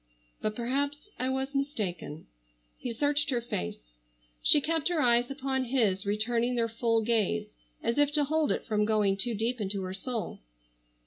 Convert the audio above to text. But perhaps I was mistaken." He searched her face. She kept her eyes upon his, returning their full gaze, as if to hold it from going too deep into her soul.